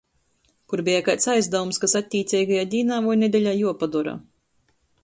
Kur beja kaids aizdavums, kas attīceigajā dīnā voi nedeļā juopadora.